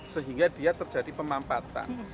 sehingga dia terjadi pemampatan